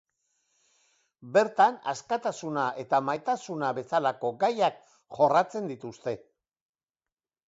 Bertan askatasuna eta maitasuna bezalako gaiak jorratzen dituzte.